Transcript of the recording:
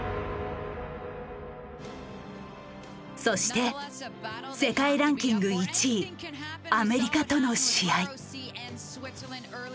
そして世界ランキング１位アメリカとの試合。